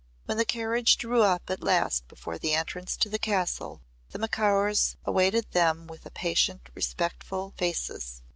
When the carriage drew up at last before the entrance to the castle, the Macaurs awaited them with patient respectful faces.